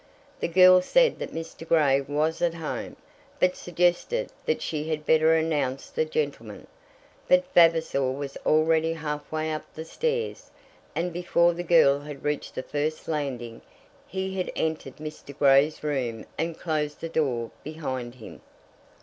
The girl said that Mr. Grey was at home, but suggested that she had better announce the gentleman. But Vavasor was already halfway up the stairs, and before the girl had reached the first landing place, he had entered Mr. Grey's room and closed the door behind him.